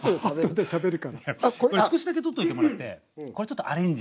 いやこれ少しだけ取っといてもらってこれちょっとアレンジして。